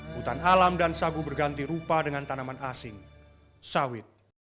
hutan alam dan sagu berganti rupa dengan tanaman asing sawit